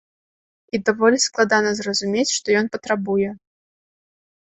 І даволі складана зразумець, што ён патрабуе.